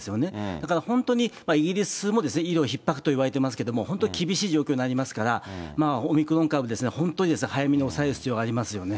だから本当にイギリスも医療ひっ迫といわれてますけど、本当に厳しい状況になりますから、オミクロン株ですね、本当に早めに抑える必要がありますよね。